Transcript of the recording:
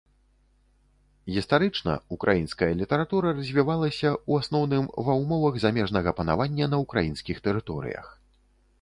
Гістарычна, украінская літаратура развівалася, у асноўным, ва ўмовах замежнага панавання на ўкраінскіх тэрыторыях.